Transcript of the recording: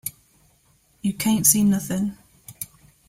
You cain't see nothin.